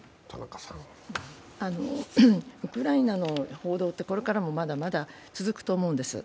ウクライナの報道ってこれからもまだまだ続くと思うんです。